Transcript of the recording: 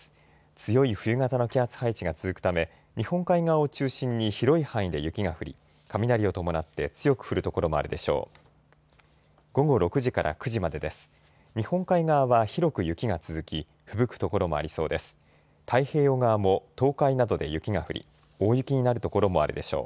強い冬型の気圧配置が続くため日本海側を中心に広い範囲で雪が降り雷を伴って強く降る所もあるでしょう。